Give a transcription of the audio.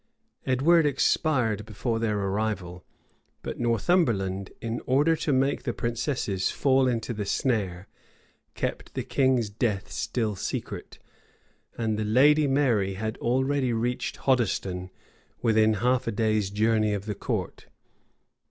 [*] Edward expired before their arrival; but Northumberland, in order to make the princesses fall into the snare, kept the king's death still secret; and the lady Mary had already reached Hoddesden, within half a day's journey of the court.